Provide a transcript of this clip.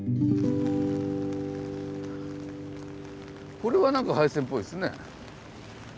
これは何か廃線っぽいですね。